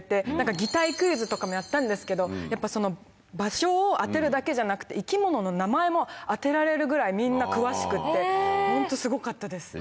擬態クイズとかもやったんですけど場所を当てるだけじゃなくて生き物の名前も当てられるぐらいみんな詳しくてホントすごかったです。